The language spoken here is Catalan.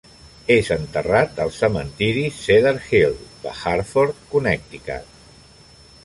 És enterrat al cementiri Cedar Hill de Hartford, Connecticut.